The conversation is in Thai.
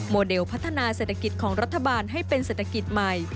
เดลพัฒนาเศรษฐกิจของรัฐบาลให้เป็นเศรษฐกิจใหม่